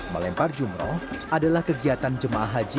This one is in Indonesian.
melempar jumroh adalah kegiatan jemaah haji